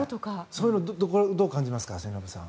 そういうのどう感じますか、末延さん。